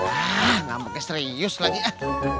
ah gak pake serius lagi ah